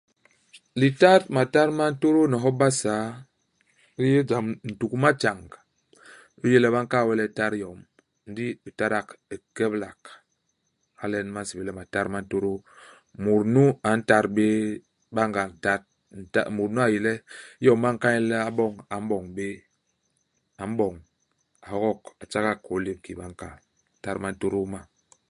Litat matat ma ntôdôô ni hop u Basaa li yé jam, ntuk u matjañ. U yé le ba nkal we le u tat yom, ndi u tadak u keblak. Hala nyen ba nsébél le matat ma ntôdôô. Mut nu a ntat bé banga ntat nta. Mut nu a yé le, iyom ba nkal nye le a boñ a m'boñ bé. A m'boñ, a hogok a tjagak kôô i lép kiki ba nkal. Matat ma ntôdôô ma.